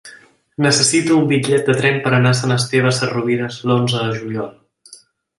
Necessito un bitllet de tren per anar a Sant Esteve Sesrovires l'onze de juliol.